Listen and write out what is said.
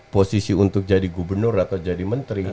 posisi untuk jadi gubernur atau jadi menteri